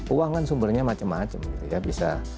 uang kan sumbernya macam macam gitu ya bisa